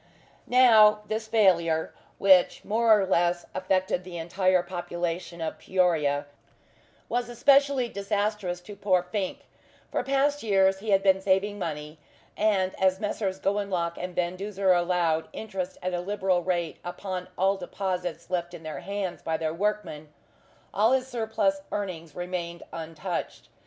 Now, this failure, which more or less affected the entire population of Peoria, was especially disastrous to poor Fink. For past years he had been saving money, and as Messrs. Gowanlock and Van Duzer allowed interest at a liberal rate upon all deposits left in their hands by their workmen, all his surplus earnings remained untouched.